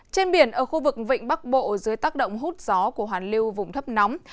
trên biển ở khu vực vịnh bắc bộ dưới tác động hút gió của hoàn lưu vùng thấp nóng